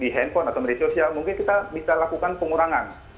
di handphone atau media sosial mungkin kita bisa lakukan pengurangan